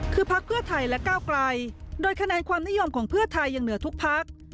คือพักเพื่อไทยและก้าวไกลโดยคะแนนความนิยมของเพื่อไทยยังเหนือทุกพัก